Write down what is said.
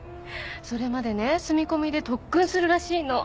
それまでね住み込みで特訓するらしいの。